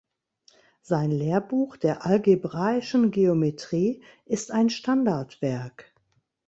Sein Lehrbuch der algebraischen Geometrie ist ein Standardwerk.